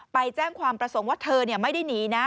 ไปแจ้งความประสงค์ว่าเธอไม่ได้หนีนะ